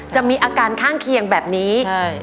จะมีอาการข้างเคียงแบบนี้ใช่